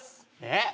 えっ？